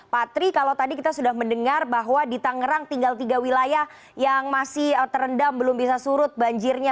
pak tri kalau tadi kita sudah mendengar bahwa di tangerang tinggal tiga wilayah yang masih terendam belum bisa surut banjirnya